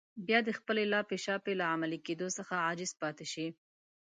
بيا د خپلې لاپې شاپې له عملي کېدو څخه عاجز پاتې شي.